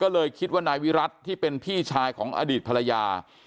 ก็เลยคิดว่านายวิรัติที่เป็นพี่ชายของอดีตภรรยา